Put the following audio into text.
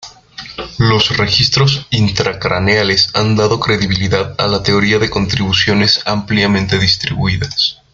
Los registros intracraneales han dado credibilidad a la teoría de contribuciones ampliamente distribuidas.